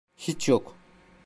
Hiç yok.